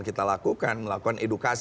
kita lakukan melakukan edukasi